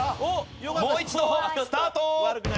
もう一度スタート。